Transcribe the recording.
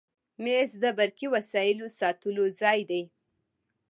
مېز د برقي وسایلو ساتلو ځای دی.